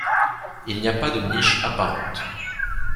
Il n'y a pas de niche apparente.